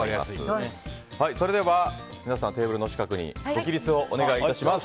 それでは、皆さんテーブルの近くにご起立をお願いします。